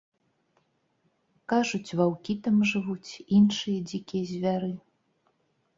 Кажуць, ваўкі там жывуць, іншыя дзікія звяры.